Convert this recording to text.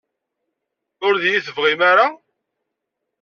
Ur d-iyi-tebɣim ara?